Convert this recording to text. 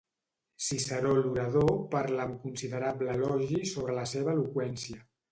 Ciceró l’orador parla amb considerable elogi sobre la seva eloqüència.